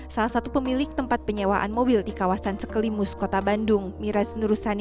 salah satu pemilik tempat penyewaan mobil di kawasan sekelimus kota bandung miras nurusani